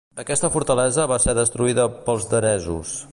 Aquesta fortalesa va ser destruïda pels danesos.